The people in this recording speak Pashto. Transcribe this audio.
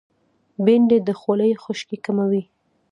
بېنډۍ د خولې خشکي کموي